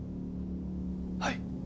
はい。